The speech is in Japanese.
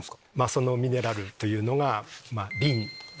そのミネラルというのが。